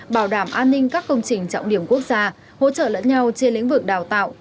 bảo đảm an ninh các công trình trọng điểm quốc gia hỗ trợ lẫn nhau trên lĩnh vực đào tạo